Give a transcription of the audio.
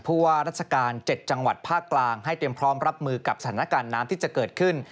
ว่าราชการ๗จังหวัดภาคกลางให้เตรียมพร้อมรับมือกับสถานการณ์น้ำที่จะเกิดขึ้น